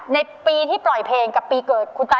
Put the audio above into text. ช่วยฝังดินหรือกว่า